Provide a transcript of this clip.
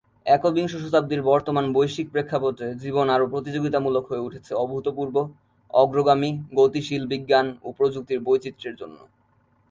একবিংশ শতাব্দীর বর্তমান বৈশ্বিক প্রেক্ষাপটে জীবন আরো প্রতিযোগিতামূলক হয়ে উঠেছে অভূতপূর্ব, অগ্রগামী, গতিশীল বিজ্ঞান ও প্রযুক্তিগত বৈচিত্র্যের জন্য।